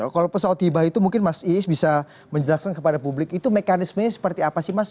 kalau pesawat hibah itu mungkin mas iis bisa menjelaskan kepada publik itu mekanismenya seperti apa sih mas